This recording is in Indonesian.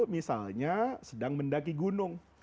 misalnya sedang mendaki gunung